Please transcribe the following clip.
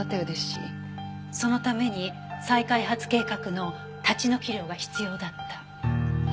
そのために再開発計画の立ち退き料が必要だった。